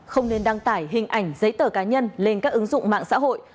không nên đăng tải hình ảnh giấy tờ cá nhân lên các ứng dụng mạng xã hội